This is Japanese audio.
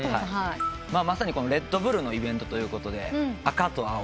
まさにレッドブルのイベントということで赤と青。